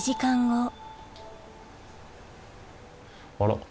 あら？